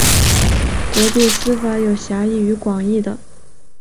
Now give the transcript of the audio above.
国际私法有狭义与广义的。